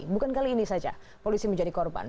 bukan kali ini saja polisi menjadi korban